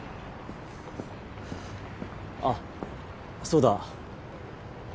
あっそうだ。